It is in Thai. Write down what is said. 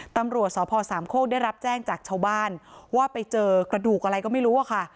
ตำรวจสพสามโคกได้รับแจ้งจากชาวบ้านว่าไปเจอกระดูกอะไรก็ไม่รู้อะค่ะ